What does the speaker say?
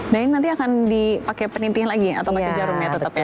dan ini nanti akan dipakai penintin lagi atau pakai jarum ya tetep ya